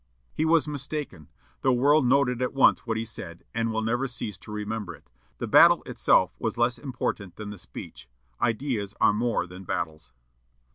"He was mistaken. The world noted at once what he said, and will never cease to remember it. The battle itself was less important than the speech. Ideas are more than battles."